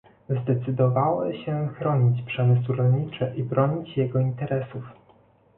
Zdecydowały się chronić przemysł rolniczy i bronić jego interesów